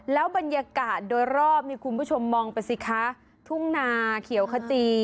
แล้วบรรยากาศโดยรอบนี่คุณผู้ชมมองไปสิคะทุ่งนาเขียวขจี